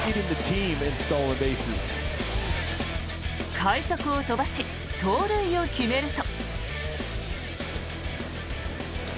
快足を飛ばし盗塁を決めると。